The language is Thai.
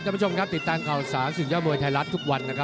โอ้โหจัดไว้ดีมาก